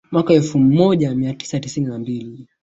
Mwaka elfu moja mia tisa sitini na mbili